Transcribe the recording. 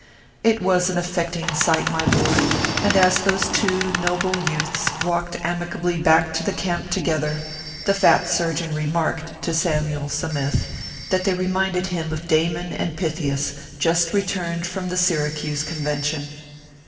It was an affecting sight, my boy ; and as those two noble youths walked amicably back to the camp together, the fat surgeon remarked to Samyule Sa mith that they reminded him of Damon and Pythias just returned from the Syracuse Convention.